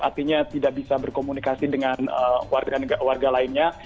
artinya tidak bisa berkomunikasi dengan warga lainnya